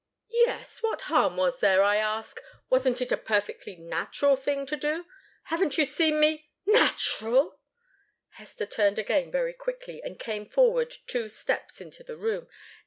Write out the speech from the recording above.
"Yes what harm was there, I ask? Wasn't it a perfectly natural thing to do? Haven't you seen me " "Natural!" Hester turned again very quickly and came forward two steps into the room.